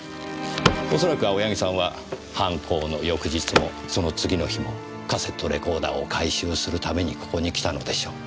恐らく青柳さんは犯行の翌日もその次の日もカセットレコーダーを回収するためにここに来たのでしょう。